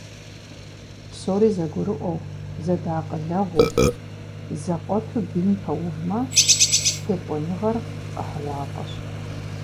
Псори зэгурыӀуэу, зэдэакъылэгъуу, зэкъуэту бийм пэувмэ, текӀуэныгъэр къэхьыгъуафӀэщ.